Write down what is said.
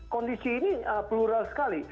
kondisi ini plural sekali